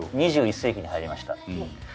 ２１世紀に入りました。